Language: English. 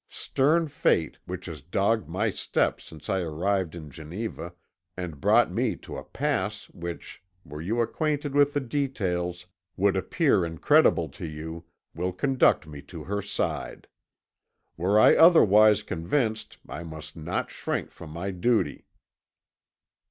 "Stern fate, which has dogged my steps since I arrived in Geneva, and brought me to a pass which, were you acquainted with the details, would appear incredible to you, will conduct me to her side. Were I otherwise convinced I must not shrink from my duty."